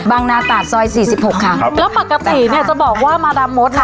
นาตาดซอยสี่สิบหกค่ะครับแล้วปกติเนี้ยจะบอกว่ามาดามมดน่ะ